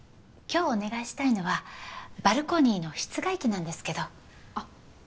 今日お願いしたいのはバルコニーの室外機なんですけどあっ